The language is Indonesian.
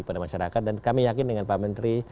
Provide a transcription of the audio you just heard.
pada masyarakat dan kami yakin dengan pak menteri